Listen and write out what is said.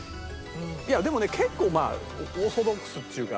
いやでもね結構オーソドックスっちゅうか。